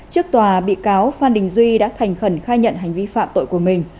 trước tòa bị cáo phan đình duy đã thành khẩn khai nhận hành vi phạm tội của mình